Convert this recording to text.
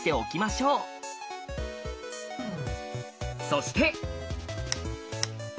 そして。